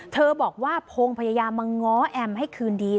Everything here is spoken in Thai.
เธอบอกว่าพงศ์พยายามมาง้อแอมให้คืนดี